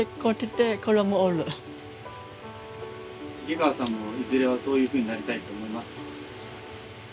池川さんもいずれはそういうふうになりたいと思いますか？